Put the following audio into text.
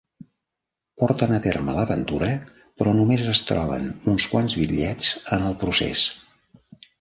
Porten a terme l'aventura, però només es troben uns quants bitllets en el procés.